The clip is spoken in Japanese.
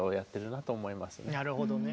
なるほどね。